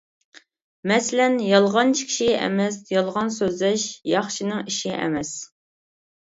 مەسىلەن: يالغانچى كىشى ئەمەس، يالغان سۆزلەش ياخشىنىڭ ئىشى ئەمەس.